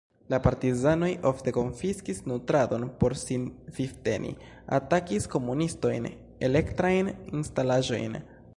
La partizanoj ofte konfiskis nutradon por sin vivteni, atakis komunistojn, elektrajn instalaĵojn.